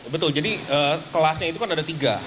betul jadi kelasnya itu kan ada tiga